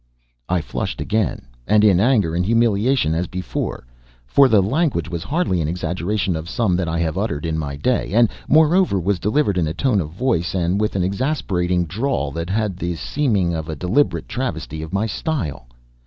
I flushed again, and in anger and humiliation as before; for the language was hardly an exaggeration of some that I have uttered in my day, and moreover was delivered in a tone of voice and with an exasperating drawl that had the seeming of a deliberate travesty of my style.